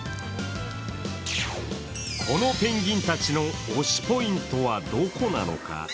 このペンギンたちの推しポイントはどこなのか。